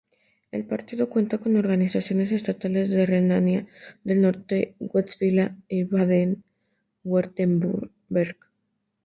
El partido cuenta con organizaciones estatales en Renania del Norte-Westfalia y Baden-Wurtemberg.